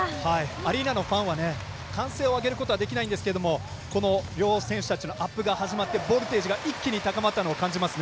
アリーナのファンは歓声を上げることはできませんが両選手たちのアップが始まってボルテージが一気に高まったのを感じます。